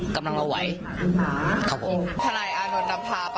กำลังจะเอาเท่าที่ละไหว